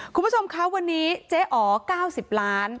คุณผู้ชมคะวันนี้เจ๊อ๋อ๙๐ล้าน